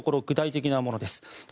具体的なものです。